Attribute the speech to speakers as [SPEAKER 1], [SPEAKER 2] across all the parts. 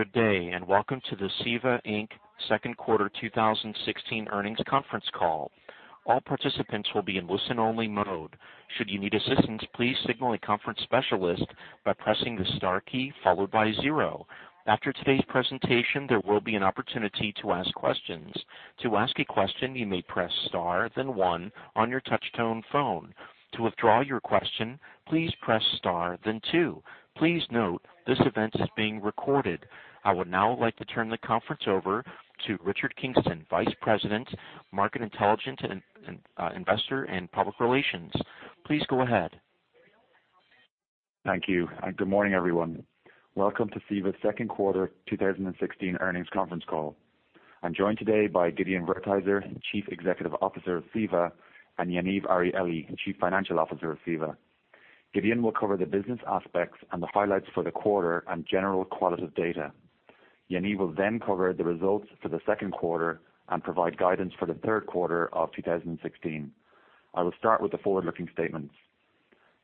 [SPEAKER 1] Good day, welcome to the CEVA Inc. Second Quarter 2016 earnings conference call. All participants will be in listen-only mode. Should you need assistance, please signal a conference specialist by pressing the star key followed by 0. After today's presentation, there will be an opportunity to ask questions. To ask a question, you may press star then 1 on your touch-tone phone. To withdraw your question, please press star then 2. Please note this event is being recorded. I would now like to turn the conference over to Richard Kingston, Vice President, Market Intelligence and Investor and Public Relations. Please go ahead.
[SPEAKER 2] Thank you, good morning, everyone. Welcome to CEVA's Second Quarter 2016 earnings conference call. I'm joined today by Gideon Wertheizer, Chief Executive Officer of CEVA, and Yaniv Arieli, Chief Financial Officer of CEVA. Gideon will cover the business aspects and the highlights for the quarter and general qualitative data. Yaniv will cover the results for the second quarter and provide guidance for the third quarter of 2016. I will start with the forward-looking statements.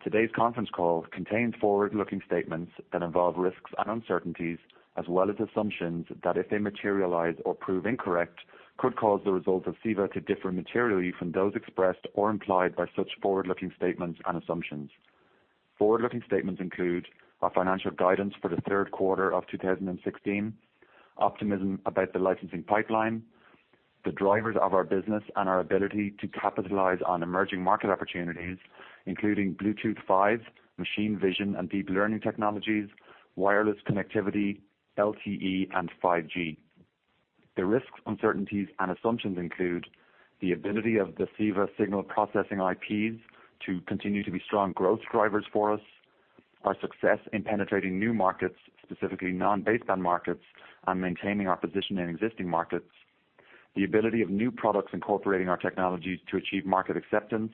[SPEAKER 2] Today's conference call contains forward-looking statements that involve risks and uncertainties, as well as assumptions that if they materialize or prove incorrect, could cause the results of CEVA to differ materially from those expressed or implied by such forward-looking statements and assumptions. Forward-looking statements include our financial guidance for the third quarter of 2016, optimism about the licensing pipeline, the drivers of our business, and our ability to capitalize on emerging market opportunities, including Bluetooth 5, machine vision, and deep learning technologies, wireless connectivity, LTE, and 5G. The risks, uncertainties, and assumptions include the ability of the CEVA signal processing IPs to continue to be strong growth drivers for us, our success in penetrating new markets, specifically non-baseband markets, and maintaining our position in existing markets, the ability of new products incorporating our technologies to achieve market acceptance,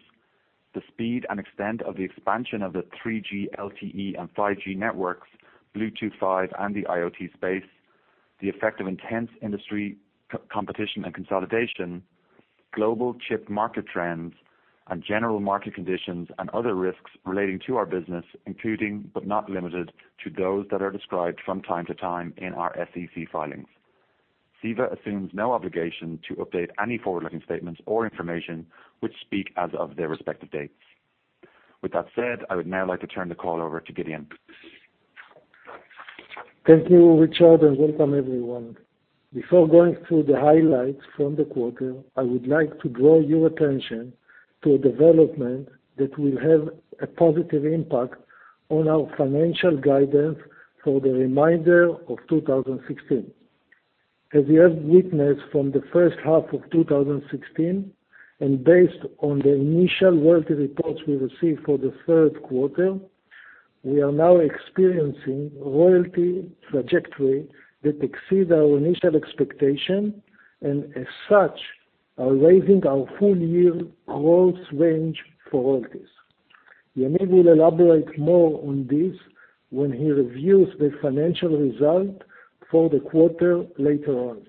[SPEAKER 2] the speed and extent of the expansion of the 3G, LTE, and 5G networks, Bluetooth 5, and the IoT space, the effect of intense industry competition and consolidation, global chip market trends, and general market conditions and other risks relating to our business, including, but not limited to those that are described from time to time in our SEC filings. CEVA assumes no obligation to update any forward-looking statements or information, which speak as of their respective dates. With that said, I would now like to turn the call over to Gideon.
[SPEAKER 3] Thank you, Richard, and welcome everyone. Before going through the highlights from the quarter, I would like to draw your attention to a development that will have a positive impact on our financial guidance for the remainder of 2016. As you have witnessed from the first half of 2016, based on the initial royalty reports we received for the third quarter, we are now experiencing royalty trajectory that exceeds our initial expectation, and as such, are raising our full-year growth range for royalties. Yaniv will elaborate more on this when he reviews the financial result for the quarter later on.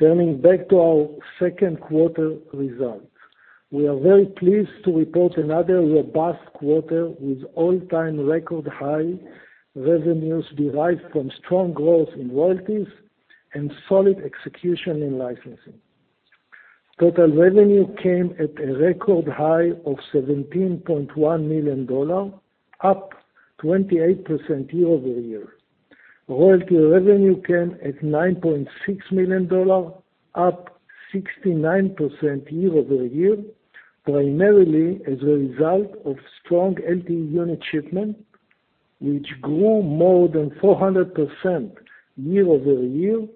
[SPEAKER 3] Turning back to our second quarter results. We are very pleased to report another robust quarter with all-time record-high revenues derived from strong growth in royalties and solid execution in licensing. Total revenue came at a record high of $17.1 million, up 28% year-over-year. Royalty revenue came at $9.6 million, up 69% year-over-year, primarily as a result of strong LTE unit shipment, which grew more than 400% year-over-year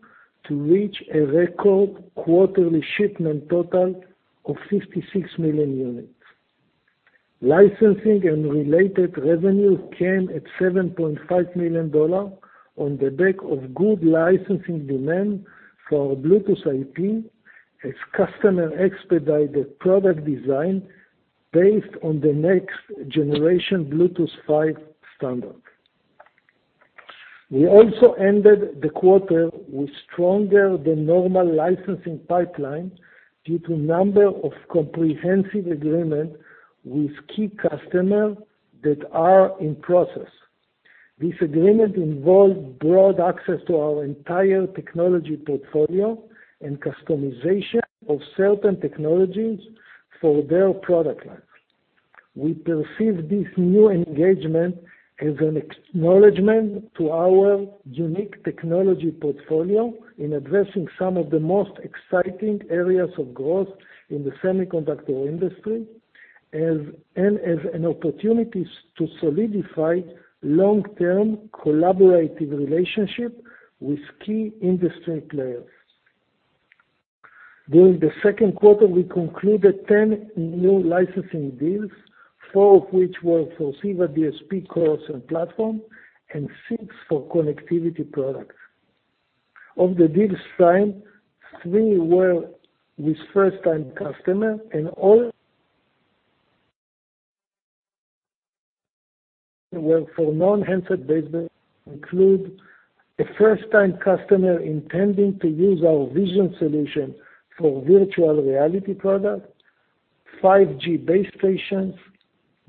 [SPEAKER 3] to reach a record quarterly shipment total of 56 million units. Licensing and related revenue came at $7.5 million on the back of good licensing demand for our Bluetooth IP as customer expedited product design based on the next generation Bluetooth 5 standard. We also ended the quarter with stronger than normal licensing pipeline due to number of comprehensive agreement with key customer that are in process. This agreement involves broad access to our entire technology portfolio and customization of certain technologies for their product line. We perceive this new engagement as an acknowledgment to our unique technology portfolio in addressing some of the most exciting areas of growth in the semiconductor industry and as an opportunity to solidify long-term collaborative relationship with key industry players. During the second quarter, we concluded 10 new licensing deals, four of which were for CEVA DSP cores and platform, and six for connectivity products. Of the deals signed, three were with first-time customer, and all were for non-handset-based that include a first-time customer intending to use our vision solution for virtual reality product 5G base stations,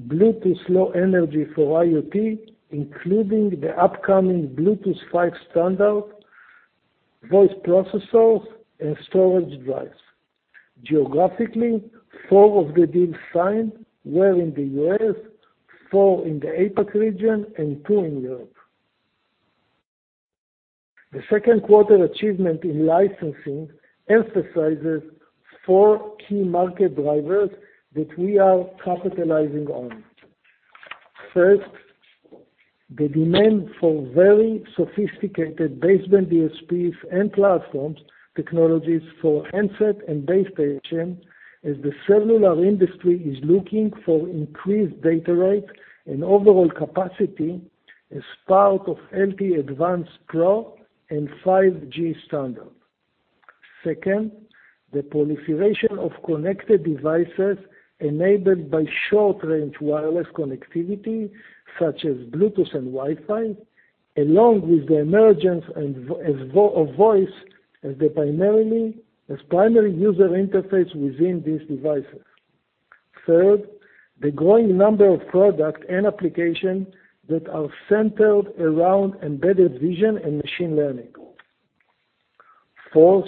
[SPEAKER 3] Bluetooth Low Energy for IoT, including the upcoming Bluetooth 5 standard, voice processors, and storage drives. Geographically, four of the deals signed were in the U.S., four in the APAC region, and two in Europe. The second quarter achievement in licensing emphasizes four key market drivers that we are capitalizing on. First, the demand for very sophisticated baseband DSPs and platforms, technologies for handset and base station, as the cellular industry is looking for increased data rate and overall capacity as part of LTE-Advanced Pro and 5G standard. Second, the proliferation of connected devices enabled by short-range wireless connectivity, such as Bluetooth and Wi-Fi, along with the emergence of voice as primary user interface within these devices. Third, the growing number of products and applications that are centered around embedded vision and machine learning. Fourth,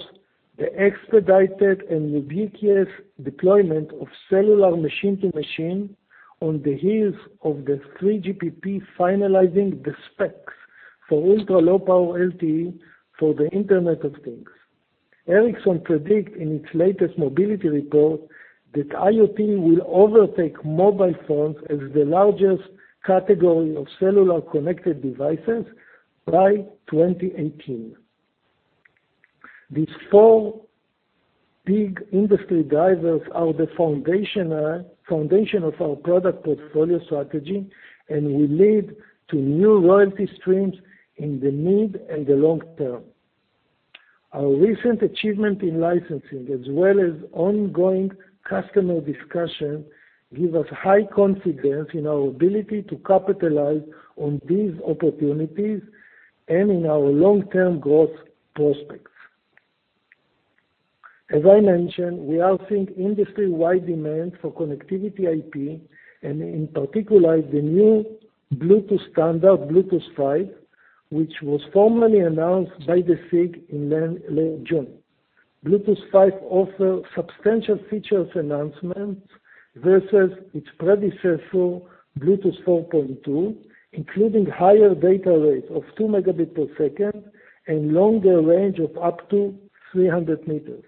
[SPEAKER 3] the expedited and ubiquitous deployment of cellular machine-to-machine on the heels of the 3GPP finalizing the specs for ultra-low power LTE for the Internet of Things. Ericsson predicts in its latest mobility report that IoT will overtake mobile phones as the largest category of cellular connected devices by 2018. These four big industry drivers are the foundation of our product portfolio strategy and will lead to new royalty streams in the mid and the long term. Our recent achievement in licensing as well as ongoing customer discussion give us high confidence in our ability to capitalize on these opportunities and in our long-term growth prospects. As I mentioned, we are seeing industry-wide demand for connectivity IP and in particular, the new Bluetooth standard, Bluetooth 5, which was formally announced by the SIG in late June. Bluetooth 5 offers substantial features enhancements versus its predecessor, Bluetooth 4.2, including higher data rate of two megabits per second and longer range of up to 300 meters.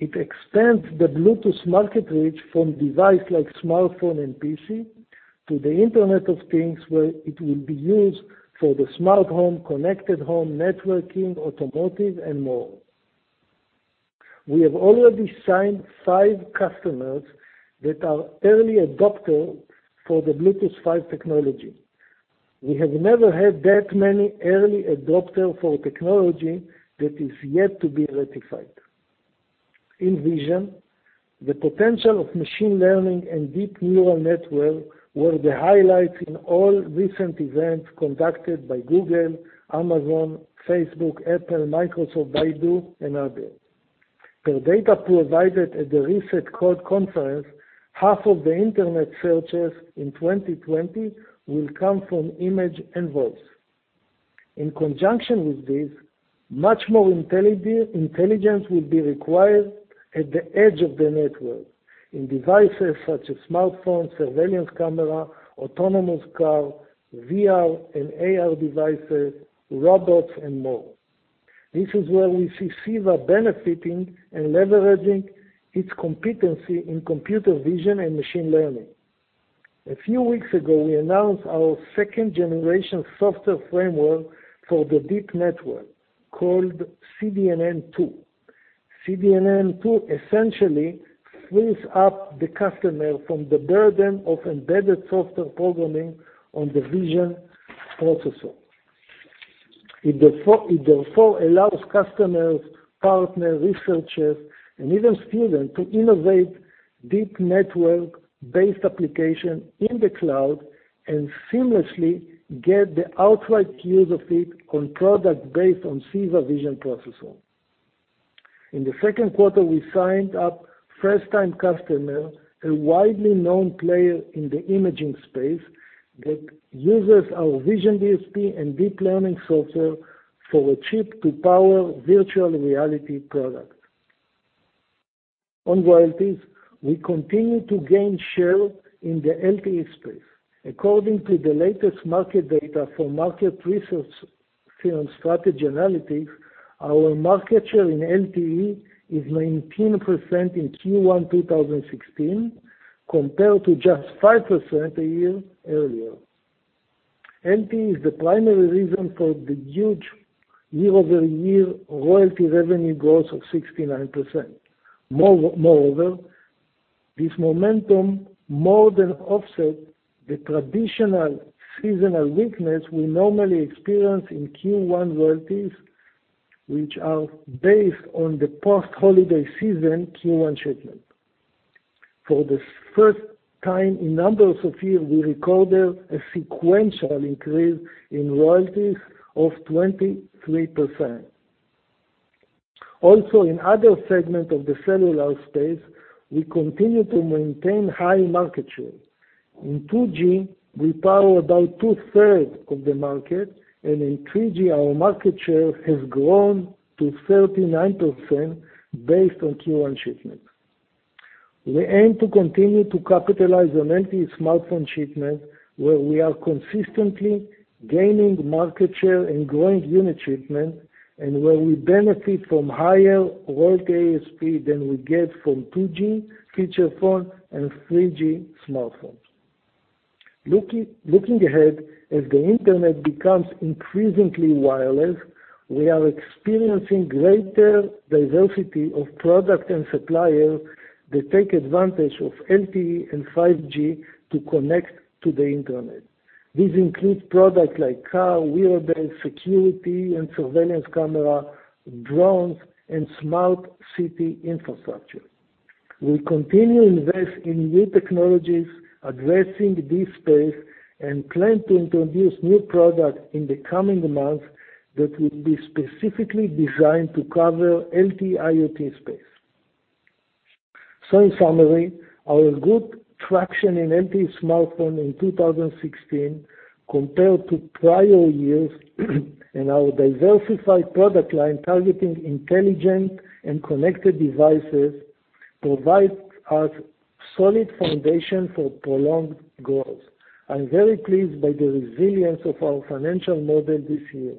[SPEAKER 3] It expands the Bluetooth market reach from device like smartphone and PC to the Internet of Things, where it will be used for the smart home, connected home, networking, automotive, and more. We have already signed five customers that are early adopter for the Bluetooth 5 technology. We have never had that many early adopter for technology that is yet to be ratified. In vision, the potential of machine learning and deep neural network were the highlights in all recent events conducted by Google, Amazon, Facebook, Apple, Microsoft, Baidu, and others. Per data provided at the recent Code Conference, half of the internet searches in 2020 will come from image and voice. In conjunction with this, much more intelligence will be required at the edge of the network in devices such as smartphones, surveillance camera, autonomous car, VR and AR devices, robots, and more. This is where we see CEVA benefiting and leveraging its competency in computer vision and machine learning. A few weeks ago, we announced our second-generation software framework for the deep network called CDNN2. CDNN2 essentially frees up the customer from the burden of embedded software programming on the vision processor. It therefore allows customers, partners, researchers, and even students to innovate deep network-based application in the cloud and seamlessly get the outright use of it on product based on CEVA vision processor. In the second quarter, we signed up first-time customer, a widely known player in the imaging space, that uses our vision DSP and deep learning software for a chip to power virtual reality product. On royalties, we continue to gain share in the LTE space. According to the latest market data from market research firm Strategy Analytics, our market share in LTE is 19% in Q1 2016, compared to just 5% a year earlier. LTE is the primary reason for the huge year-over-year royalty revenue growth of 69%. Moreover, this momentum more than offset the traditional seasonal weakness we normally experience in Q1 royalties, which are based on the post-holiday season Q1 shipment. For the first time in numbers of year, we recorded a sequential increase in royalties of 23%. Also, in other segments of the cellular space, we continue to maintain high market share. In 2G, we power about two-thirds of the market, and in 3G, our market share has grown to 39% based on Q1 shipments. We aim to continue to capitalize on LTE smartphone shipments, where we are consistently gaining market share and growing unit shipments, and where we benefit from higher [world ASP] than we get from 2G feature phone and 3G smartphone. Looking ahead, as the internet becomes increasingly wireless, we are experiencing greater diversity of product and supplier that take advantage of LTE and 5G to connect to the internet. These include products like car, wearables, security and surveillance camera, drones, and smart city infrastructure. We'll continue invest in new technologies addressing this space and plan to introduce new products in the coming months that would be specifically designed to cover LTE IoT space. In summary, our good traction in LTE smartphone in 2016 compared to prior years, and our diversified product line targeting intelligent and connected devices, provides us solid foundation for prolonged growth. I'm very pleased by the resilience of our financial model this year,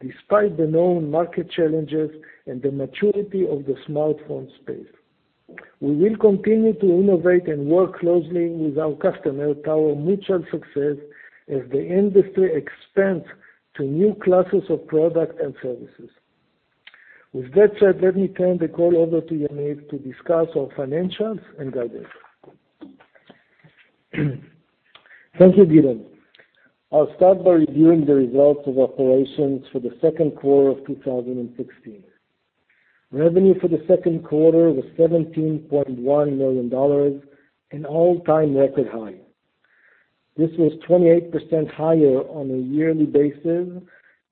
[SPEAKER 3] despite the known market challenges and the maturity of the smartphone space. We will continue to innovate and work closely with our customer toward mutual success as the industry expands to new classes of products and services. With that said, let me turn the call over to Yaniv Arieli to discuss our financials and guidance.
[SPEAKER 4] Thank you, Gil. I'll start by reviewing the results of operations for the second quarter of 2016. Revenue for the second quarter was $17.1 million, an all-time record high. This was 28% higher on a yearly basis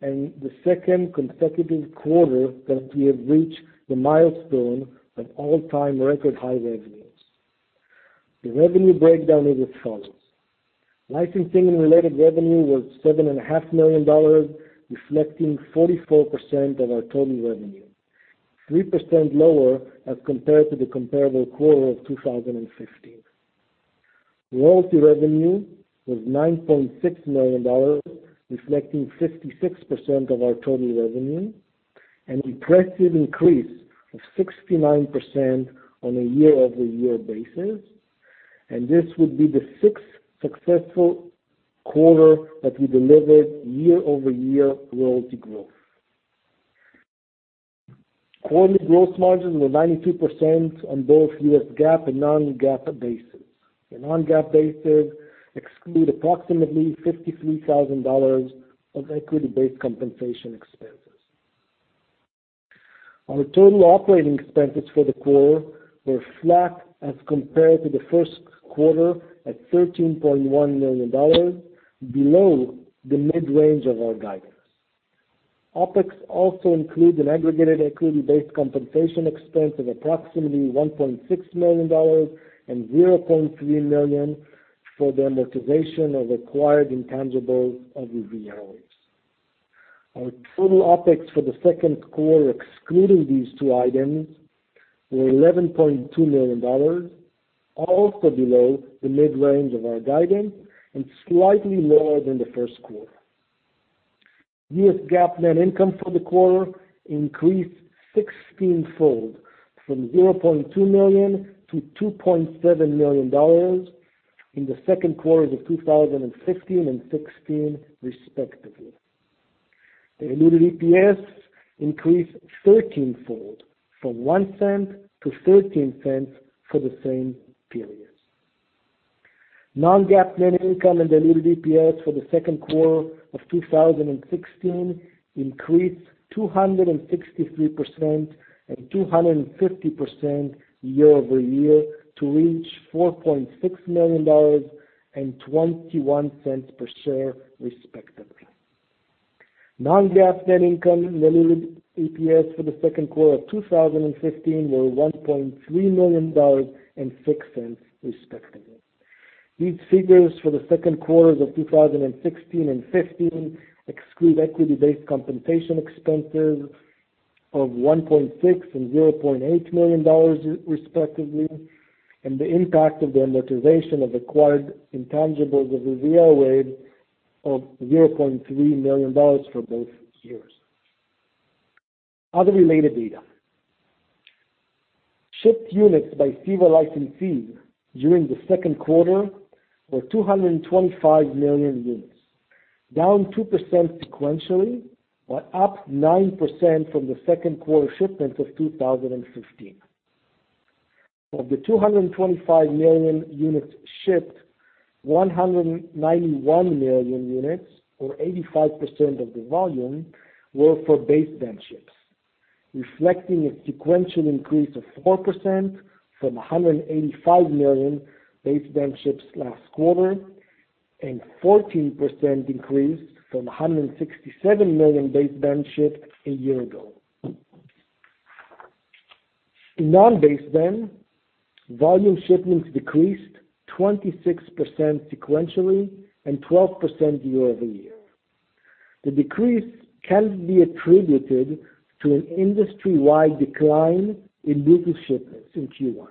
[SPEAKER 4] and the second consecutive quarter that we have reached the milestone of all-time record high revenues. The revenue breakdown is as follows: licensing and related revenue was $7.5 million, reflecting 44% of our total revenue, 3% lower as compared to the comparable quarter of 2015. Royalty revenue was $9.6 million, reflecting 56% of our total revenue, an impressive increase of 69% on a year-over-year basis. This would be the sixth successful quarter that we delivered year-over-year royalty growth. Quarterly gross margins were 92% on both US GAAP and non-GAAP basis. The non-GAAP basis exclude approximately $53,000 of equity-based compensation expenses. Our total OpEx for the quarter were flat as compared to the first quarter at $13.1 million below the mid-range of our guidance. OpEx also include an aggregated equity-based compensation expense of approximately $1.6 million and $0.3 million for the amortization of acquired intangibles of RivieraWaves. Our total OpEx for the second quarter, excluding these two items, were $11.2 million, also below the mid-range of our guidance and slightly lower than the first quarter. US GAAP net income for the quarter increased sixteenfold from $0.2 million to $2.7 million in the second quarters of 2015 and 2016 respectively. Diluted EPS increased thirteenfold from $0.01 to $0.13 for the same period. Non-GAAP net income and diluted EPS for the second quarter of 2016 increased 263% and 250% year-over-year to reach $4.6 million and $0.21 per share respectively. Non-GAAP net income and diluted EPS for the second quarter of 2015 were $1.3 million and $0.06 respectively. These figures for the second quarters of 2016 and 2015 exclude equity-based compensation expenses of $1.6 and $0.8 million respectively, and the impact of the amortization of acquired intangibles of RivieraWaves of $0.3 million for both years. Other related data. Shipped units by CEVA licensees during the second quarter were 225 million units, down 2% sequentially but up 9% from the second quarter shipments of 2015. Of the 225 million units shipped, 191 million units or 85% of the volume were for baseband chips, reflecting a sequential increase of 4% from 185 million baseband chips last quarter. 14% increase from 167 million baseband shipped a year ago. In non-baseband, volume shipments decreased 26% sequentially and 12% year-over-year. The decrease can be attributed to an industry-wide decline in business shipments in Q1,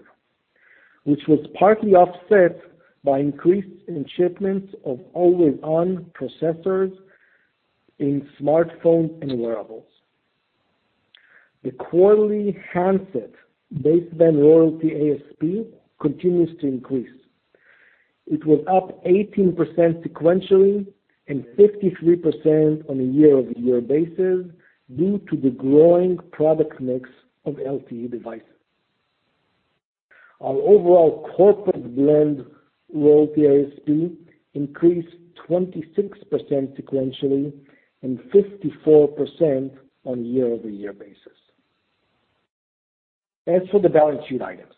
[SPEAKER 4] which was partly offset by increased in shipments of always-on processors in smartphone and wearables. The quarterly handset baseband royalty ASP continues to increase. It was up 18% sequentially and 53% on a year-over-year basis due to the growing product mix of LTE devices. Our overall corporate blend royalty ASP increased 26% sequentially and 54% on a year-over-year basis. As for the balance sheet items.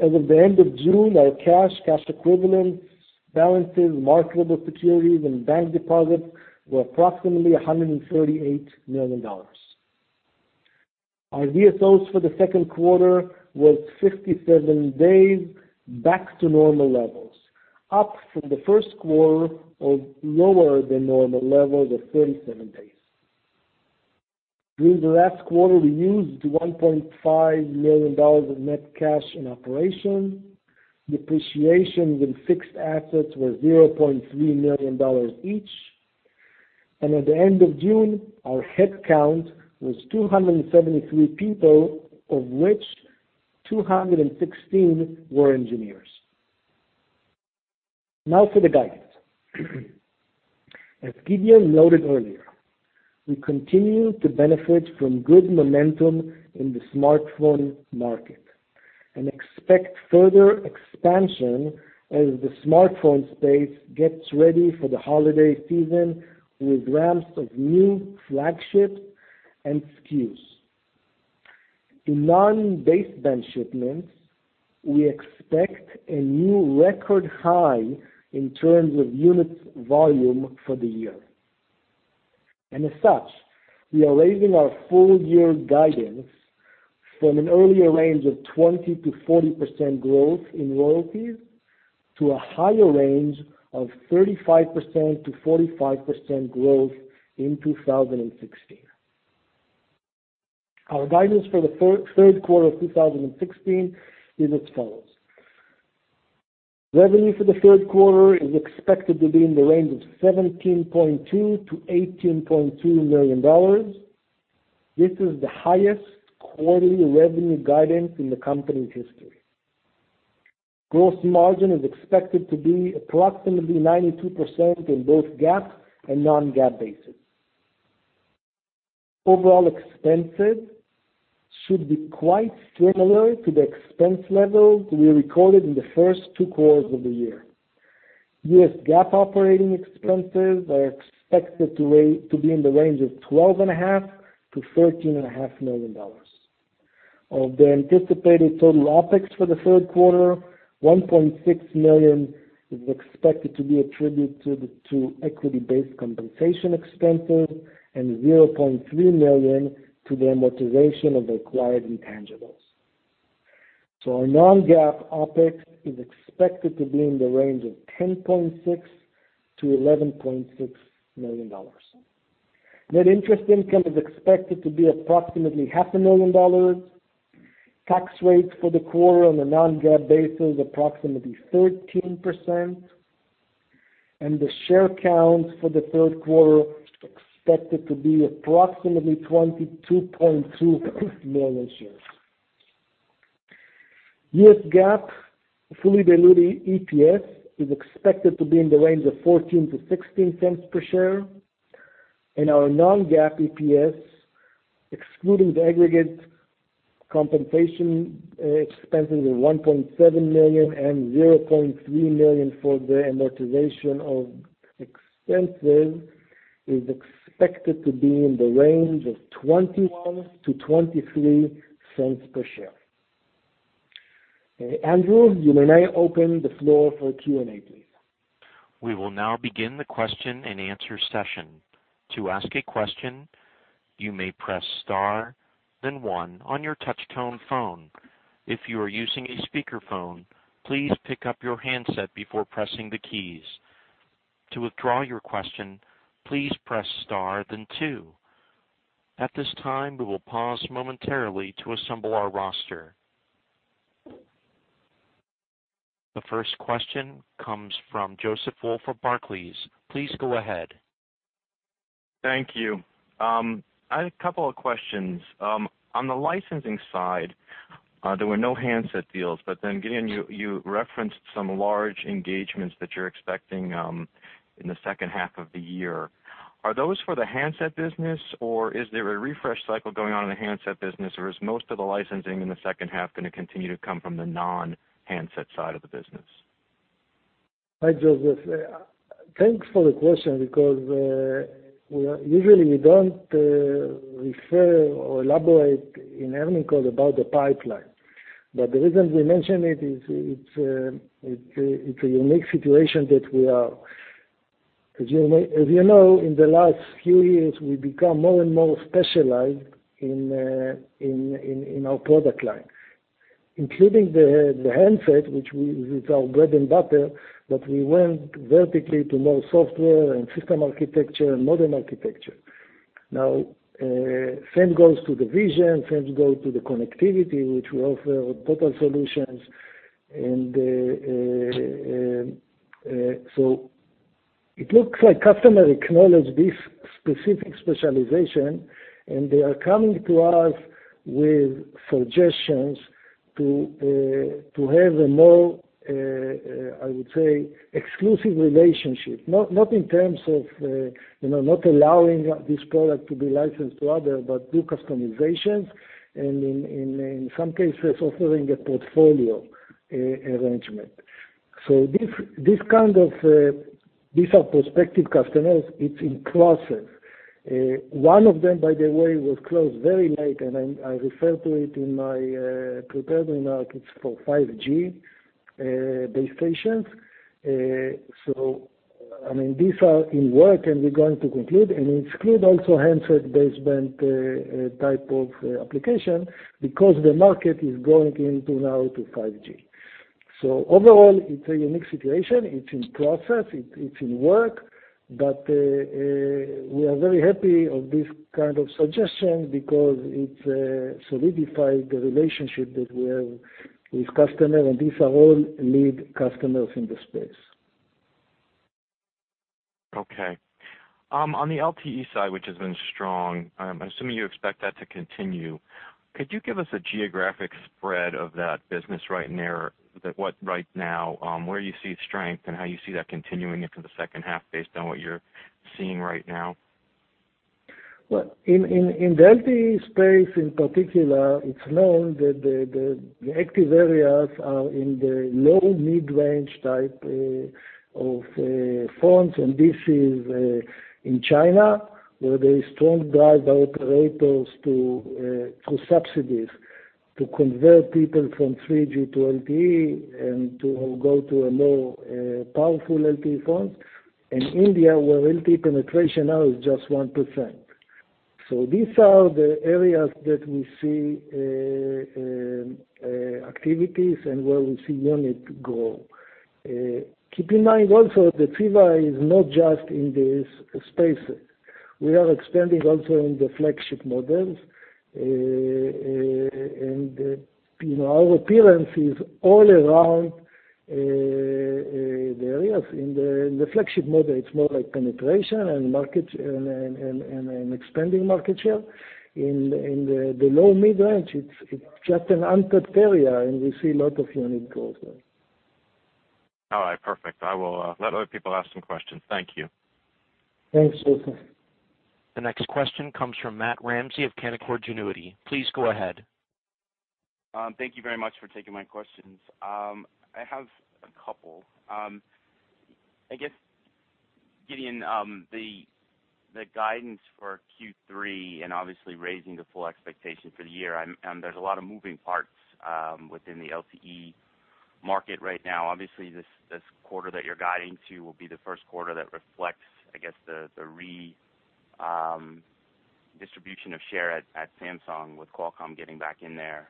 [SPEAKER 4] As of the end of June, our cash equivalents, balances, marketable securities, and bank deposits were approximately $138 million. Our DSOs for the second quarter was 57 days back to normal levels, up from the first quarter of lower than normal levels of 37 days. During the last quarter, we used $1.5 million of net cash in operation. Depreciation in fixed assets were $0.3 million each, and at the end of June, our head count was 273 people, of which 216 were engineers. Now for the guidance. As Gideon noted earlier, we continue to benefit from good momentum in the smartphone market and expect further expansion as the smartphone space gets ready for the holiday season with ramps of new flagship and SKUs. In non-baseband shipments, we expect a new record high in terms of unit volume for the year. As such, we are raising our full-year guidance from an earlier range of 20%-40% growth in royalties to a higher range of 35%-45% growth in 2016. Our guidance for the third quarter of 2016 is as follows. Revenue for the third quarter is expected to be in the range of $17.2 million-$18.2 million. This is the highest quarterly revenue guidance in the company's history. Gross margin is expected to be approximately 92% in both GAAP and non-GAAP basis. Overall expenses should be quite similar to the expense levels we recorded in the first two quarters of the year. U.S. GAAP operating expenses are expected to be in the range of $12.5 million-$13.5 million. Of the anticipated total OpEx for the third quarter, $1.6 million is expected to be attributed to equity-based compensation expenses and $0.3 million to the amortization of acquired intangibles. Our non-GAAP OpEx is expected to be in the range of $10.6 million-$11.6 million. Net interest income is expected to be approximately $500,000. Tax rates for the quarter on a non-GAAP basis approximately 13%, and the share count for the third quarter expected to be approximately 22.2 million shares. U.S. GAAP fully diluted EPS is expected to be in the range of $0.14-$0.16 per share. Our non-GAAP EPS, excluding the aggregate compensation expenses of $1.7 million and $0.3 million for the amortization of expenses, is expected to be in the range of $0.21-$0.23 per share. Andrew, you may now open the floor for Q&A, please.
[SPEAKER 1] We will now begin the question and answer session. To ask a question, you may press star then one on your touch tone phone. If you are using a speakerphone, please pick up your handset before pressing the keys. To withdraw your question, please press star then two. At this time, we will pause momentarily to assemble our roster. The first question comes from Joseph Wolf of Barclays. Please go ahead.
[SPEAKER 5] Thank you. I had a couple of questions. On the licensing side, there were no handset deals, but then again, you referenced some large engagements that you're expecting in the second half of the year. Are those for the handset business, or is there a refresh cycle going on in the handset business or is most of the licensing in the second half going to continue to come from the non-handset side of the business?
[SPEAKER 4] Hi, Joseph. Thanks for the question because usually we don't refer or elaborate in earnings call about the pipeline.
[SPEAKER 3] The reason we mention it is, it's a unique situation that we are. As you know, in the last few years, we've become more and more specialized in our product line, including the handset, which is our bread and butter, but we went vertically to more software and system architecture and modem architecture. Now, same goes to the vision, same goes to the connectivity, which we offer total solutions. It looks like customer acknowledge this specific specialization, and they are coming to us with suggestions to have a more, I would say, exclusive relationship, not in terms of not allowing this product to be licensed to others, but do customizations and in some cases, offering a portfolio arrangement. These are prospective customers, it's in process. One of them, by the way, was closed very late, and I refer to it in my prepared remarks. It's for 5G base stations. These are in work, and we're going to conclude, and it include also handset baseband type of application because the market is going into now to 5G. Overall, it's a unique situation. It's in process, it's in work, but we are very happy of this kind of suggestion because it solidifies the relationship that we have with customer, and these are all lead customers in the space.
[SPEAKER 5] Okay. On the LTE side, which has been strong, I'm assuming you expect that to continue. Could you give us a geographic spread of that business right now, where you see strength and how you see that continuing into the second half based on what you're seeing right now?
[SPEAKER 3] Well, in the LTE space in particular, it's known that the active areas are in the low mid-range type of phones, and this is in China, where there is strong drive by operators through subsidies to convert people from 3G to LTE and to go to a more powerful LTE phone. In India, where LTE penetration now is just 1%. These are the areas that we see activities and where we see unit grow. Keep in mind also that CEVA is not just in these spaces. We are expanding also in the flagship models. Our appearance is all around the areas. In the flagship model, it's more like penetration and expanding market share. In the low mid-range, it's just an untapped area, and we see lot of unit growth there.
[SPEAKER 5] All right, perfect. I will let other people ask some questions. Thank you.
[SPEAKER 3] Thanks, Joseph.
[SPEAKER 1] The next question comes from Matt Ramsay of Canaccord Genuity. Please go ahead.
[SPEAKER 6] Thank you very much for taking my questions. I have a couple. I guess, Gideon, the guidance for Q3 and obviously raising the full expectation for the year, and there's a lot of moving parts within the LTE market right now. Obviously, this quarter that you're guiding to will be the first quarter that reflects, I guess, the redistribution of share at Samsung with Qualcomm getting back in there,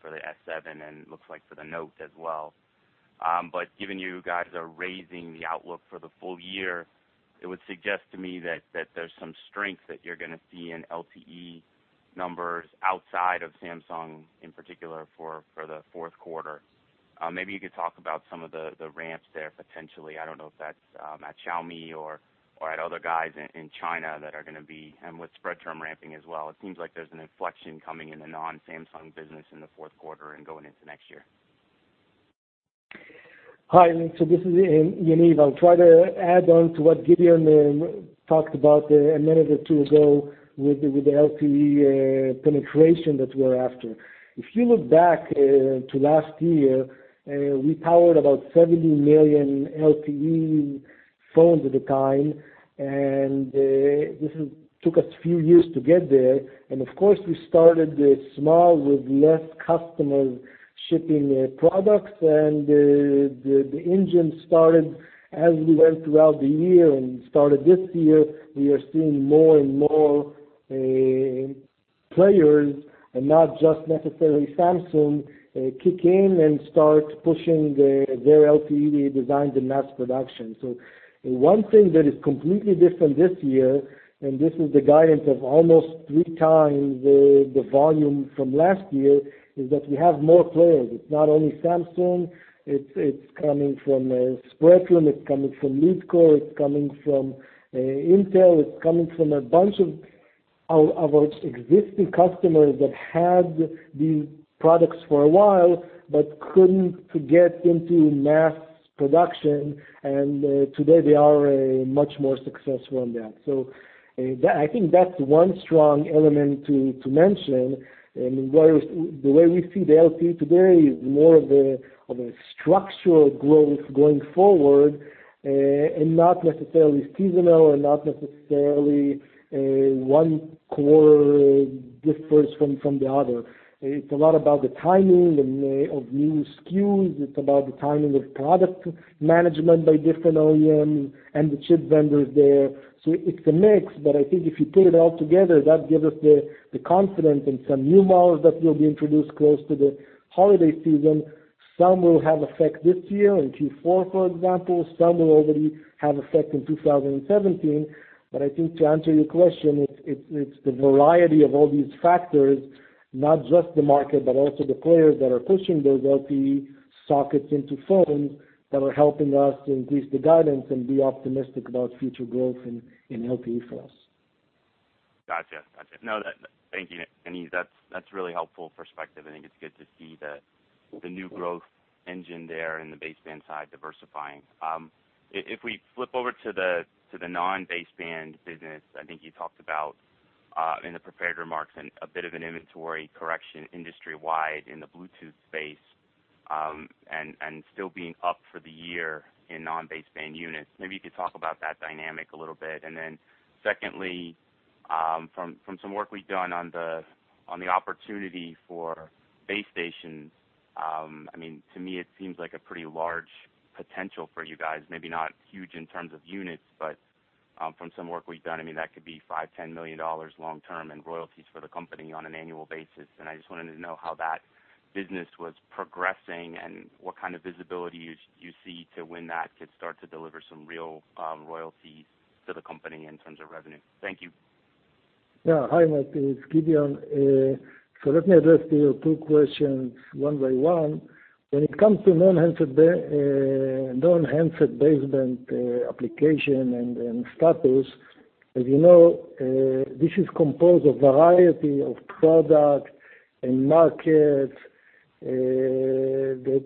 [SPEAKER 6] for the S7 and looks like for the Note as well. Given you guys are raising the outlook for the full year, it would suggest to me that there's some strength that you're going to see in LTE numbers outside of Samsung, in particular, for the fourth quarter. Maybe you could talk about some of the ramps there potentially. I don't know if that's at Xiaomi or at other guys in China that are going to be, and with Spreadtrum ramping as well. It seems like there's an inflection coming in the non-Samsung business in the fourth quarter and going into next year.
[SPEAKER 4] Hi, this is Yaniv. I'll try to add on to what Gideon talked about a minute or two ago with the LTE penetration that we're after. If you look back to last year, we powered about 70 million LTE phones at the time, this took us a few years to get there. Of course, we started small with less customers shipping products, and the engine started as we went throughout the year. Started this year, we are seeing more and more players, and not just necessarily Samsung, kick in and start pushing their LTE designs in mass production. One thing that is completely different this year, and this is the guidance of almost three times the volume from last year, is that we have more players. It's not only Samsung, it's coming from Spreadtrum, it's coming from MediaTek, it's coming from Intel.
[SPEAKER 3] It's coming from a bunch of our existing customers that had these products for a while but couldn't get into mass production, and today they are much more successful on that. I think that's one strong element to mention. The way we see the LTE today is more of a structural growth going forward, and not necessarily seasonal or not necessarily one quarter Dispersed from the other. It's a lot about the timing of new SKUs. It's about the timing of product management by different OEM and the chip vendors there. It's a mix, but I think if you put it all together, that gives us the confidence in some new models that will be introduced close to the holiday season. Some will have effect this year, in Q4, for example, some will already have effect in 2017. I think to answer your question, it's the variety of all these factors, not just the market, but also the players that are pushing those LTE sockets into phones that are helping us to increase the guidance and be optimistic about future growth in LTE for us.
[SPEAKER 6] Got you. Thank you, Yoni. That's really helpful perspective. I think it's good to see the new growth engine there in the baseband side diversifying. If we flip over to the non-baseband business, I think you talked about, in the prepared remarks, a bit of an inventory correction industry-wide in the Bluetooth space, and still being up for the year in non-baseband units. Maybe you could talk about that dynamic a little bit. Secondly, from some work we've done on the opportunity for base stations, to me, it seems like a pretty large potential for you guys. Maybe not huge in terms of units, but from some work we've done, that could be $5 million-$10 million long term in royalties for the company on an annual basis. I just wanted to know how that business was progressing and what kind of visibility you see to when that could start to deliver some real royalties to the company in terms of revenue. Thank you.
[SPEAKER 3] Yeah. Hi, Matt, it's Gideon. Let me address your two questions one by one. When it comes to non-handset baseband application and status, as you know, this is composed of variety of products and markets, that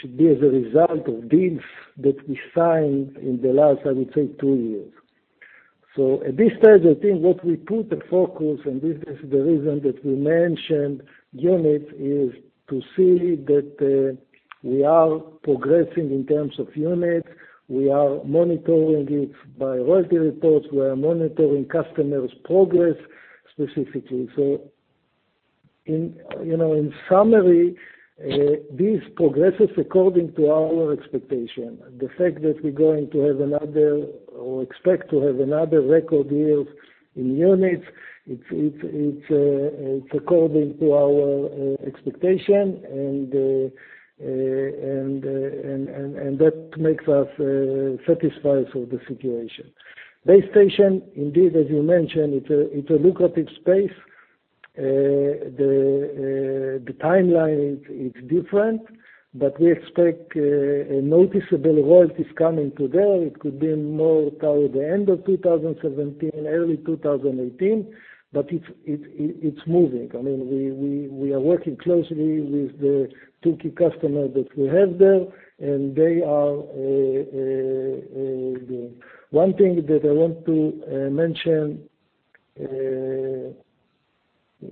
[SPEAKER 3] should be as a result of deals that we signed in the last, I would say, two years. At this stage, I think what we put the focus, and this is the reason that we mentioned units, is to see that we are progressing in terms of units, we are monitoring it by royalty reports, we are monitoring customers' progress specifically. In summary, this progresses according to our expectation. The fact that we're going to have another, or expect to have another record year in units, it's according to our expectation, and that makes us satisfied for the situation. Base station, indeed, as you mentioned, it's a lucrative space. The timeline is different, we expect noticeable royalties coming today. It could be more toward the end of 2017, early 2018, it's moving. We are working closely with the two key customers that we have there, they are good. One thing that I want to mention,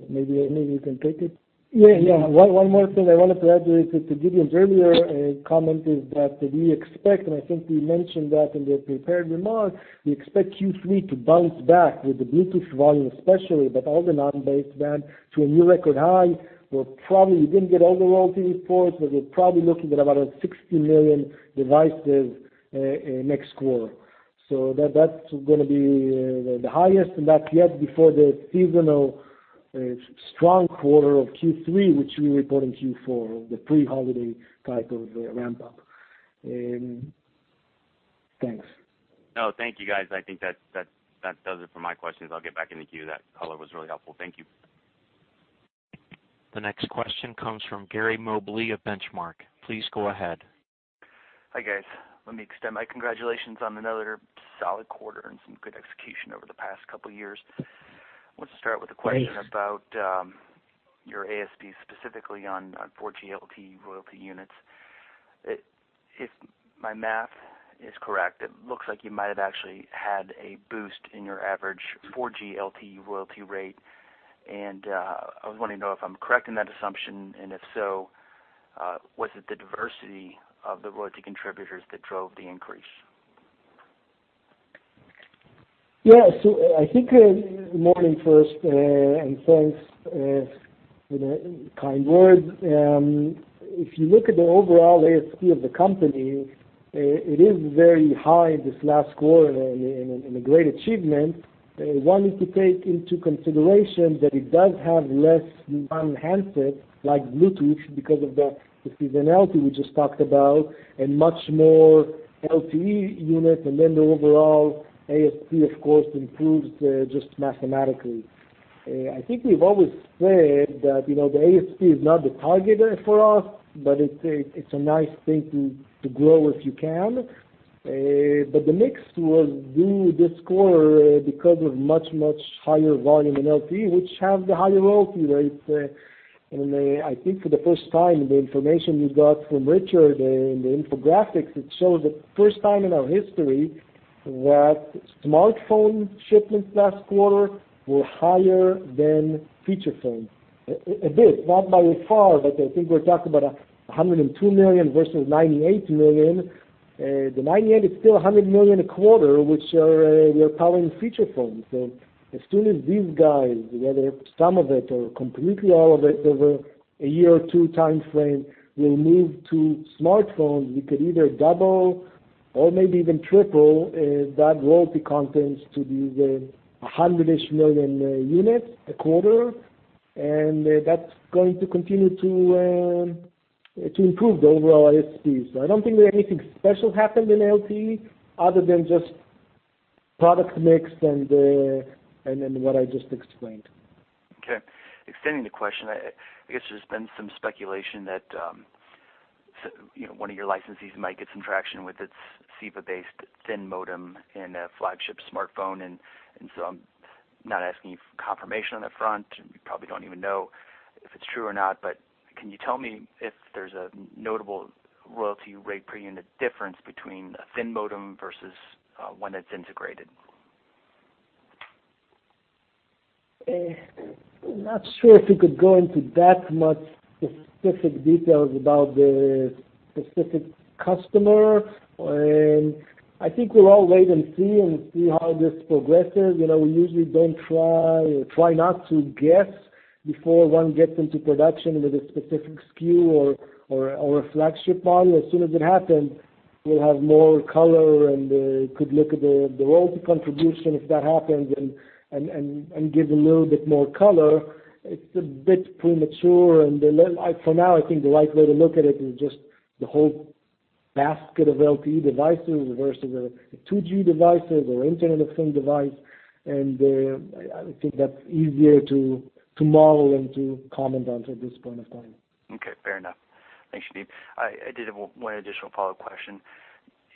[SPEAKER 3] maybe you can take it.
[SPEAKER 4] Yeah. One more thing I wanted to add to Gideon's earlier comment is that we expect, I think we mentioned that in the prepared remarks, we expect Q3 to bounce back with the Bluetooth volume especially, all the non-baseband to a new record high. We didn't get all the royalty reports, we're probably looking at about 60 million devices next quarter. That's going to be the highest, and that's yet before the seasonal strong quarter of Q3, which we report in Q4, the pre-holiday type of ramp-up. Thanks.
[SPEAKER 6] No, thank you, guys. I think that does it for my questions. I'll get back in the queue. That color was really helpful. Thank you.
[SPEAKER 1] The next question comes from Gary Mobley of Benchmark. Please go ahead.
[SPEAKER 7] Hi, guys. Let me extend my congratulations on another solid quarter and some good execution over the past couple of years. I want to start with a question.
[SPEAKER 4] Great
[SPEAKER 7] About your ASP, specifically on 4G LTE royalty units. If my math is correct, it looks like you might have actually had a boost in your average 4G LTE royalty rate. I was wanting to know if I'm correct in that assumption, and if so, was it the diversity of the royalty contributors that drove the increase?
[SPEAKER 4] Yeah. I think, morning first, and thanks for the kind words. If you look at the overall ASP of the company, it is very high this last quarter and a great achievement. One is to take into consideration that it does have less non-handset, like Bluetooth, because of the seasonality we just talked about, and much more LTE units. The overall ASP, of course, improves just mathematically. I think we've always said that the ASP is not the target for us, but it's a nice thing to grow if you can. The mix was good this quarter because of much, much higher volume in LTE, which have the higher royalty rates. I think for the first time, the information you got from Richard in the infographics, it shows the first time in our history that smartphone shipments last quarter were higher than feature phones. A bit, not by far, but I think we're talking about $102 million versus $98 million. The $98 million is still $100 million a quarter, which we are powering feature phones. As soon as these guys, whether some of it or completely all of it, over a year or two timeframe, will move to smartphones, we could either double or maybe even triple that royalty contents to be 100-ish million units a quarter, and that's going to continue to improve the overall ASP. I don't think anything special happened in LTE other than just product mix and what I just explained.
[SPEAKER 7] Okay. Extending the question, I guess there's been some speculation that one of your licensees might get some traction with its CEVA-based thin modem in a flagship smartphone. I'm not asking you for confirmation on that front. You probably don't even know if it's true or not. Can you tell me if there's a notable royalty rate per unit difference between a thin modem versus one that's integrated?
[SPEAKER 4] I'm not sure if we could go into that much specific details about the specific customer. I think we'll all wait and see how this progresses. We usually try not to guess before one gets into production with a specific SKU or a flagship model. As soon as it happens, we'll have more color and could look at the royalty contribution if that happens and give a little bit more color. It's a bit premature. For now, I think the right way to look at it is just the whole basket of LTE devices versus the 2G devices or Internet of Things device. I think that's easier to model than to comment on at this point in time.
[SPEAKER 7] Okay, fair enough. Thanks, Yaniv. I did have one additional follow-up question.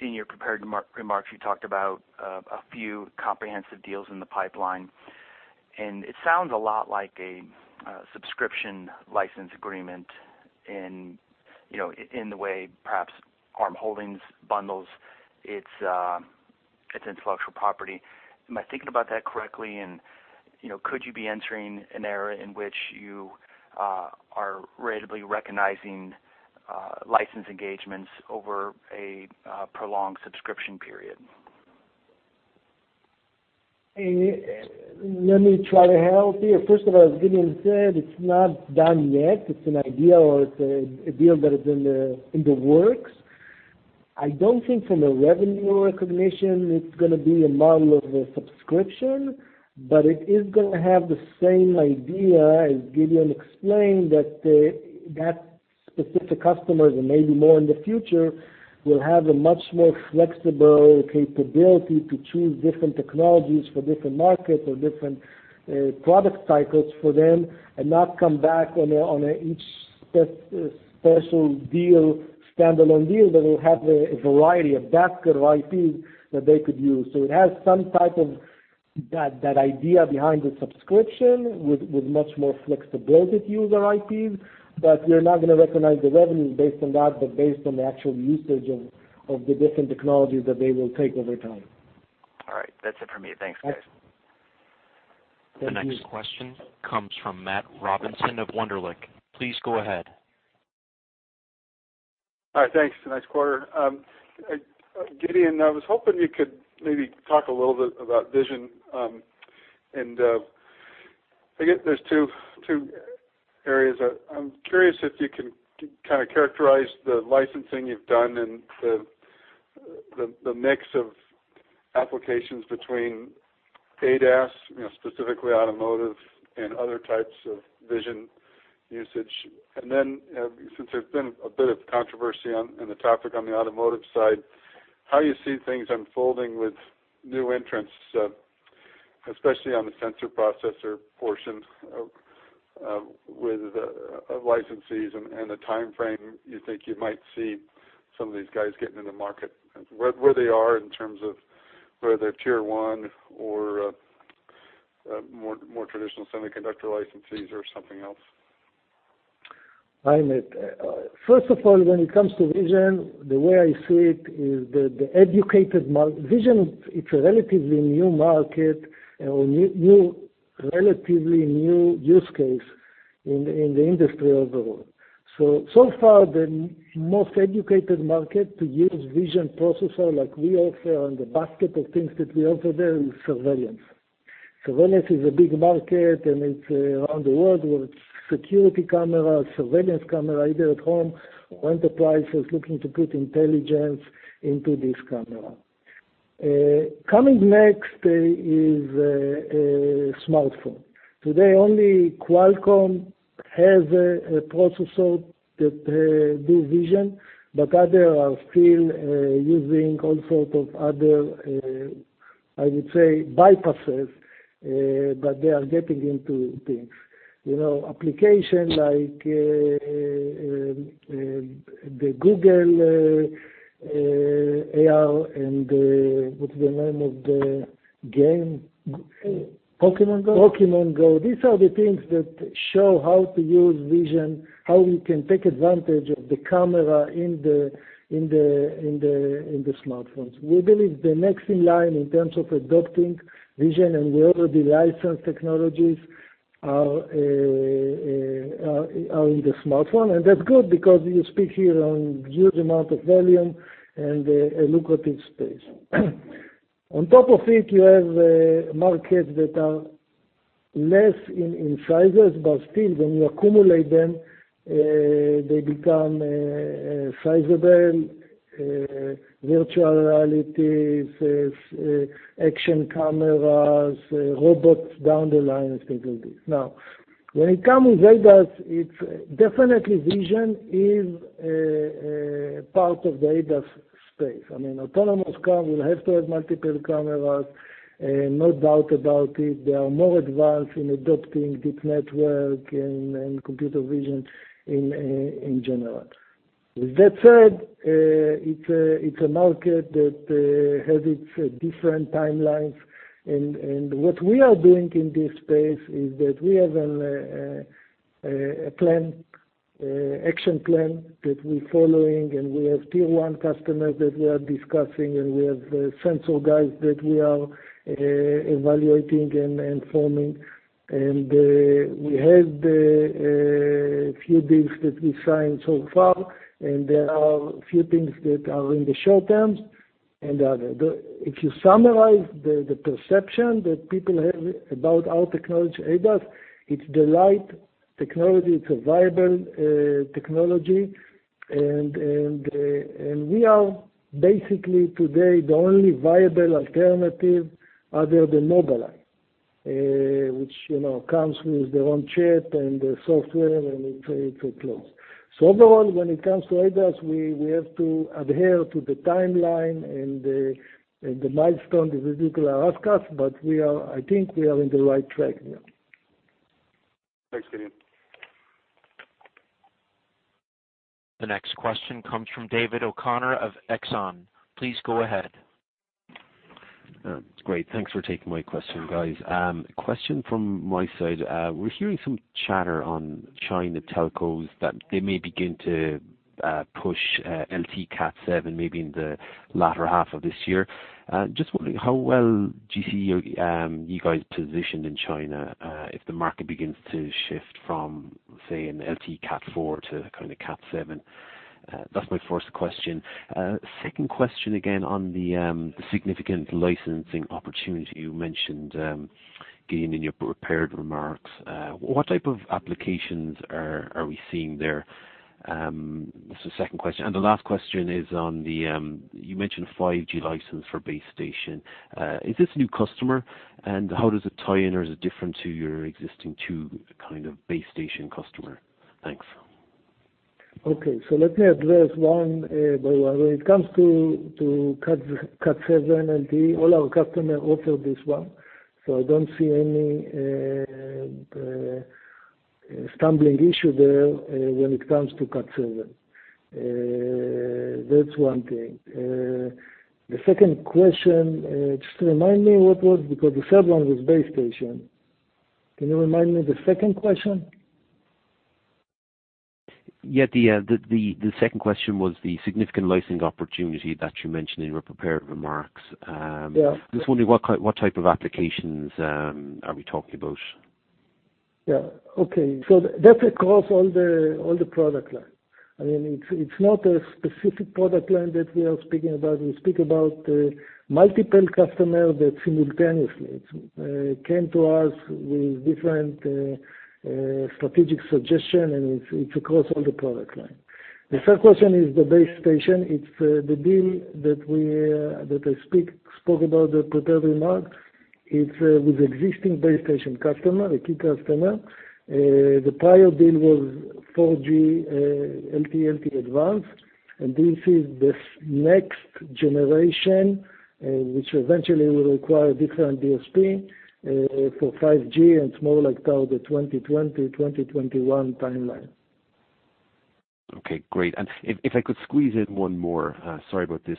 [SPEAKER 7] In your prepared remarks, you talked about a few comprehensive deals in the pipeline, it sounds a lot like a subscription license agreement in the way perhaps ARM Holdings bundles its intellectual property. Am I thinking about that correctly? Could you be entering an era in which you are readily recognizing license engagements over a prolonged subscription period?
[SPEAKER 4] Let me try to help here. First of all, as Gideon said, it's not done yet. It's an idea or it's a deal that is in the works. I don't think from a revenue recognition it's going to be a model of a subscription, but it is going to have the same idea, as Gideon explained, that specific customers, and maybe more in the future, will have a much more flexible capability to choose different technologies for different markets or different product cycles for them, and not come back on each special deal, standalone deal, that will have a variety, a basket of IPs that they could use. It has some type of that idea behind the subscription with much more flexibility to use our IPs, but we're not going to recognize the revenues based on that, but based on the actual usage of the different technologies that they will take over time.
[SPEAKER 7] All right. That's it for me. Thanks, guys.
[SPEAKER 4] Thank you.
[SPEAKER 1] The next question comes from Matthew Robison of Wunderlich. Please go ahead.
[SPEAKER 8] Hi. Thanks for the nice quarter. Gideon, I was hoping you could maybe talk a little bit about vision. I guess there's two areas. I'm curious if you can characterize the licensing you've done and the mix of applications between ADAS, specifically automotive and other types of vision usage. Then, since there's been a bit of controversy on the topic on the automotive side, how you see things unfolding with new entrants, especially on the sensor processor portion of licensees and the timeframe you think you might see some of these guys getting in the market, where they are in terms of whether they're tier 1 or more traditional semiconductor licensees or something else.
[SPEAKER 3] Hi, Matt. First of all, when it comes to vision, the way I see it is that the educated market-- Vision, it's a relatively new market or relatively new use case in the industry overall. So far, the most educated market to use vision processor like we offer and the basket of things that we offer there is surveillance. Surveillance is a big market, and it's around the world with security camera, surveillance camera, either at home or enterprises looking to put intelligence into this camera. Coming next is a smartphone. Today, only Qualcomm has a processor that do vision, but others are still using all sorts of other, I would say, bypasses, but they are getting into things. Application like the Google AR, what's the name of the game?
[SPEAKER 7] Pokémon Go?
[SPEAKER 3] Pokémon Go. These are the things that show how to use vision, how we can take advantage of the camera in the smartphones. We believe the next in line in terms of adopting vision, we already licensed technologies Are in the smartphone, that's good because you speak here on huge amount of volume and a lucrative space. On top of it, you have markets that are less in sizes, still when you accumulate them, they become sizable virtual realities, action cameras, robots down the line, et cetera. When it comes with ADAS, definitely vision is a part of the ADAS space. Autonomous car will have to have multiple cameras, no doubt about it. They are more advanced in adopting deep network and computer vision in general. With that said, it's a market that has its different timelines. What we are doing in this space is that we have an action plan that we're following, we have tier 1 customers that we are discussing, we have sensor guys that we are evaluating and forming. We have a few deals that we signed so far, there are a few things that are in the short terms and other. If you summarize the perception that people have about our technology, ADAS, it's the light technology, it's a viable technology. We are basically today the only viable alternative other than Mobileye, which comes with their own chip and software, it's a close. Overall, when it comes to ADAS, we have to adhere to the timeline and the milestone the vehicle ask us, I think we are in the right track, yeah.
[SPEAKER 8] Thanks, Gideon.
[SPEAKER 1] The next question comes from David O'Connor of Exane. Please go ahead.
[SPEAKER 9] Great. Thanks for taking my question, guys. Question from my side. We're hearing some chatter on China telcos that they may begin to push LTE Cat7 maybe in the latter half of this year. Just wondering how well do you see you guys positioned in China, if the market begins to shift from, say, an LTE Cat4 to a Cat7? That's my first question. Second question, again, on the significant licensing opportunity you mentioned, Gideon, in your prepared remarks. What type of applications are we seeing there? That's the second question. The last question is on the, you mentioned 5G license for base station. Is this a new customer and how does it tie in, or is it different to your existing two base station customer? Thanks.
[SPEAKER 3] Okay. Let me address one by one. When it comes to Cat7 LT, all our customer offer this one. I don't see any stumbling issue there when it comes to Cat7. That's one thing. The second question, just remind me what was, because the third one was base station. Can you remind me the second question?
[SPEAKER 9] Yeah. The second question was the significant licensing opportunity that you mentioned in your prepared remarks.
[SPEAKER 3] Yeah.
[SPEAKER 9] Just wondering what type of applications are we talking about?
[SPEAKER 3] Yeah. Okay. That's across all the product line. It's not a specific product line that we are speaking about. We speak about multiple customer that simultaneously came to us with different strategic suggestion, and it's across all the product line. The third question is the base station. It's the deal that I spoke about the prepared remark. It's with existing base station customer, a key customer. The prior deal was 4G LTE-Advanced. This is this next generation, which eventually will require different DSP, for 5G and it's more like toward the 2020, 2021 timeline.
[SPEAKER 9] Okay, great. If I could squeeze in one more, sorry about this,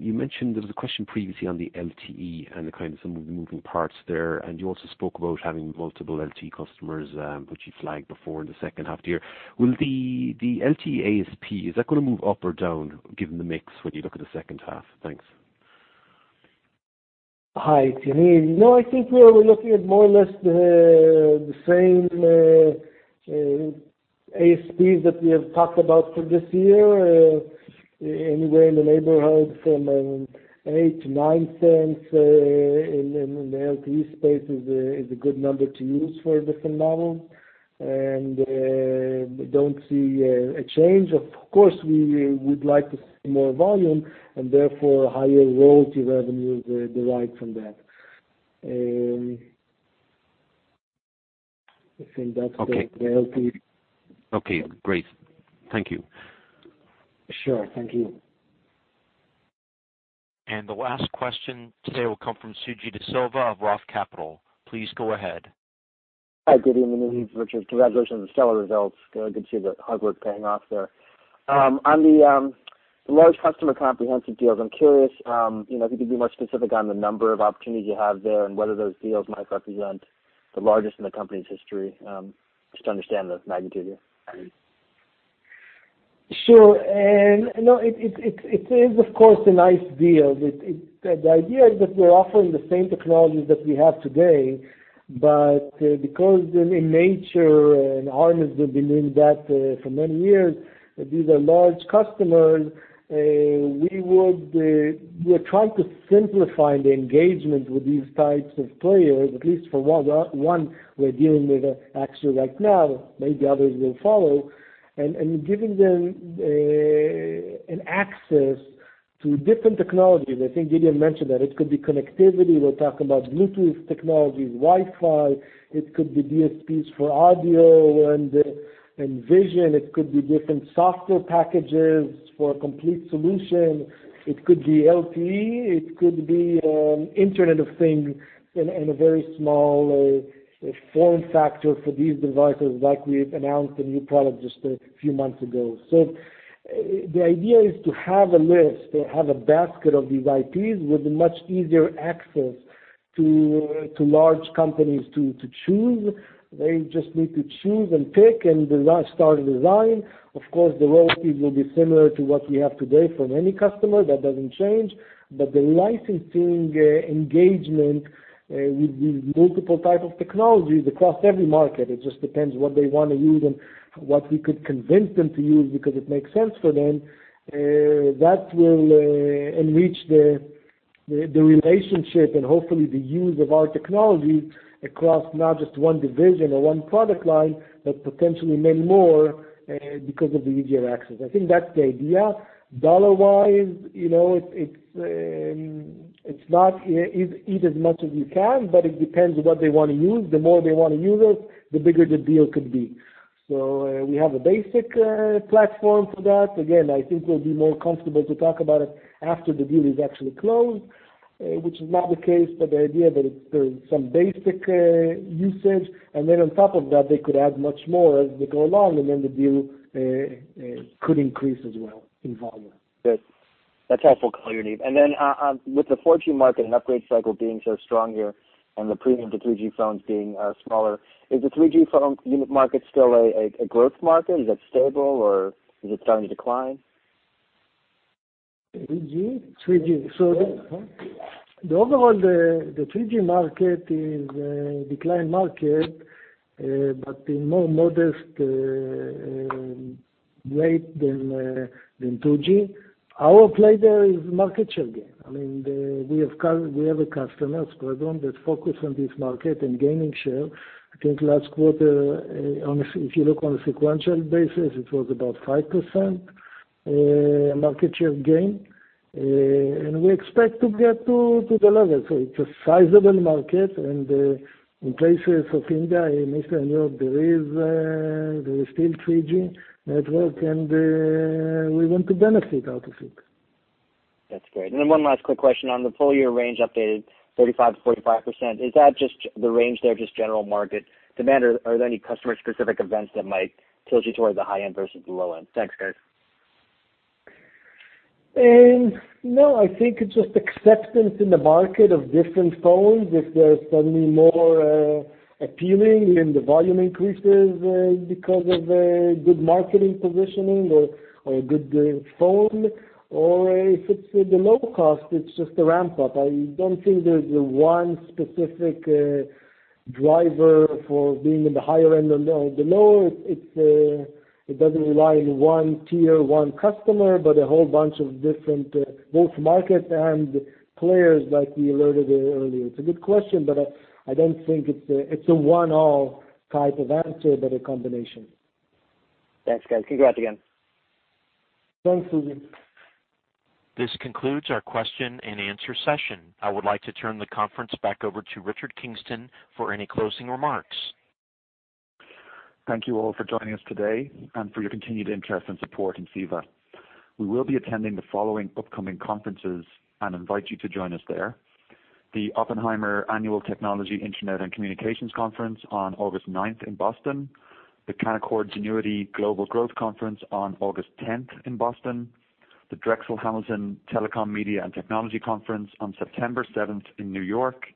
[SPEAKER 9] you mentioned there was a question previously on the LTE and the kind of some of the moving parts there, you also spoke about having multiple LTE customers, which you flagged before in the second half here. Will the LTE ASP, is that going to move up or down given the mix when you look at the second half? Thanks.
[SPEAKER 4] Hi, David. No, I think we're looking at more or less the same ASPs that we have talked about for this year, anywhere in the neighborhood from $0.08 to $0.09 in the LTE space is a good number to use for different model. We don't see a change. Of course, we would like to see more volume and therefore higher royalty revenue derived from that. I think that's the- Okay the LTE.
[SPEAKER 9] Okay, great. Thank you.
[SPEAKER 3] Sure. Thank you.
[SPEAKER 1] The last question today will come from Suji DeSilva of ROTH Capital. Please go ahead.
[SPEAKER 10] Hi, good evening, this is Richard. Congratulations on the stellar results. Good to see the hard work paying off there. On the large customer comprehensive deals, I'm curious, if you could be more specific on the number of opportunities you have there and whether those deals might represent the largest in the company's history, just to understand the magnitude here.
[SPEAKER 4] Sure. It is of course a nice deal. The idea is that we're offering the same technologies that we have today, but because they're in nature and [harness], they've been doing that for many years. These are large customers. We're trying to simplify the engagement with these types of players, at least for one we're dealing with actually right now, maybe others will follow. Giving them an access to different technologies, I think Gideon mentioned that it could be connectivity, we're talking about Bluetooth technologies, Wi-Fi, it could be DSPs for audio and vision. It could be different software packages for a complete solution. It could be LTE, it could be Internet of Things in a very small form factor for these devices like we've announced a new product just a few months ago. The idea is to have a list or have a basket of these IPs with much easier access to large companies to choose. They just need to choose and pick and start a design. Of course, the royalties will be similar to what we have today from any customer, that doesn't change. The licensing engagement with these multiple type of technologies across every market, it just depends what they want to use and what we could convince them to use because it makes sense for them. That will enrich the relationship and hopefully the use of our technology across not just one division or one product line, but potentially many more because of the easier access. I think that's the idea. Dollar-wise, it's not eat as much as you can, but it depends what they want to use. The more they want to use it, the bigger the deal could be. We have a basic platform for that. Again, I think we'll be more comfortable to talk about it after the deal is actually closed, which is not the case, but the idea that there's some basic usage, and then on top of that, they could add much more as they go along, and then the deal could increase as well in volume.
[SPEAKER 10] Good. That's helpful, Guy and Yigal. With the 4G market and upgrade cycle being so strong here and the premium to 3G phones being smaller, is the 3G phone unit market still a growth market? Is that stable or is it starting to decline?
[SPEAKER 3] 3G?
[SPEAKER 10] 3G. The overall, the 3G market is a decline market, but in more modest rate than 2G. Our play there is market share gain. I mean, we have a customer, Spreadtrum, that focus on this market and gaining share. I think last quarter, honestly, if you look on a sequential basis, it was about 5% market share gain, and we expect to get to the level. It's a sizable market, and in places of India and Eastern Europe, there is still 3G network, and we want to benefit out of it. That's great. One last quick question on the full-year range update, 35%-45%. Is that just the range there, just general market demand? Are there any customer-specific events that might tilt you towards the high end versus the low end? Thanks, guys.
[SPEAKER 4] I think it's just acceptance in the market of different phones. If they're suddenly more appealing, and the volume increases because of good marketing positioning or a good phone, or if it's the low cost, it's just a ramp-up. I don't think there's one specific driver for being in the higher end or the lower. It doesn't rely on one tier, one customer, but a whole bunch of different both market and players like we alerted earlier. It's a good question. I don't think it's a one-all type of answer, but a combination.
[SPEAKER 10] Thanks, guys. Congrats again.
[SPEAKER 4] Thanks, Suji.
[SPEAKER 1] This concludes our question and answer session. I would like to turn the conference back over to Richard Kingston for any closing remarks.
[SPEAKER 2] Thank you all for joining us today and for your continued interest and support in CEVA. We will be attending the following upcoming conferences and invite you to join us there. The Oppenheimer Annual Technology, Internet and Communications Conference on August ninth in Boston, the Canaccord Genuity Global Growth Conference on August 10th in Boston, the Drexel Hamilton Telecom, Media and Technology Conference on September seventh in New York,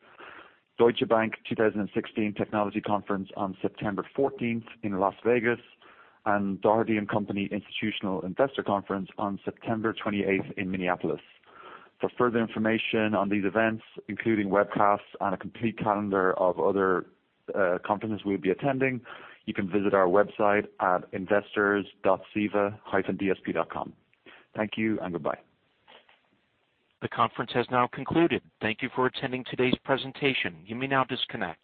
[SPEAKER 2] Deutsche Bank 2016 Technology Conference on September 14th in Las Vegas, and Dougherty & Company Institutional Investor Conference on September 28th in Minneapolis. For further information on these events, including webcasts and a complete calendar of other conferences we'll be attending, you can visit our website at investors.ceva-dsp.com. Thank you and goodbye.
[SPEAKER 1] The conference has now concluded. Thank you for attending today's presentation. You may now disconnect.